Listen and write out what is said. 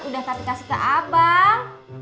udah tapi kasih ke abang